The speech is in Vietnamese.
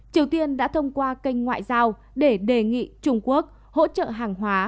triều tiên đã thông qua kênh ngoại giao để đề nghị trung quốc hỗ trợ hàng hóa